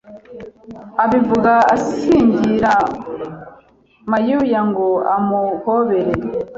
Abivuga asingira mayuya ngo amuhobere